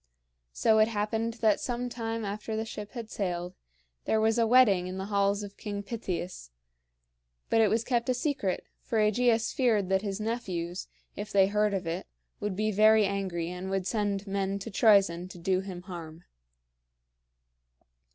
So it happened that some time after the ship had sailed, there was a wedding in the halls of King Pittheus; but it was kept a secret, for AEgeus feared that his nephews, if they heard of it, would be very angry and would send men to Troezen to do him harm.